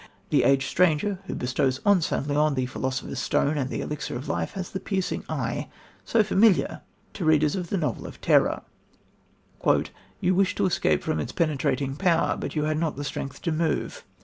The aged stranger, who bestows on St. Leon the philosopher's stone and the elixir of life, has the piercing eye so familiar to readers of the novel of terror: "You wished to escape from its penetrating power, but you had not the strength to move.